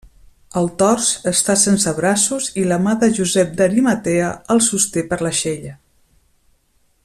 El tors està sense braços i la mà de Josep d'Arimatea el sosté per l'aixella.